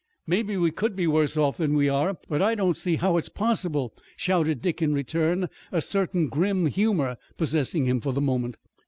"Maybe we could be worse off than we are, but I don't see how it's possible!" shouted Dick in return, a certain grim humor possessing him for the moment.